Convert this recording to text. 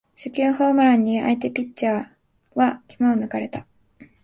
初球ホームランに相手ピッチャーは度肝を抜かれた